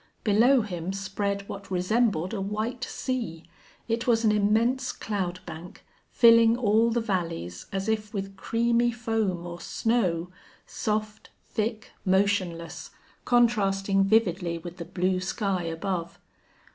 Below him spread what resembled a white sea. It was an immense cloud bank, filling all the valleys as if with creamy foam or snow, soft, thick, motionless, contrasting vividly with the blue sky above.